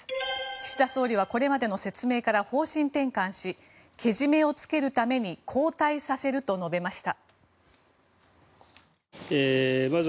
岸田総理はこれまでの説明から方針転換しけじめをつけるために交代させると述べました。